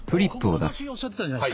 「志」おっしゃってたじゃない。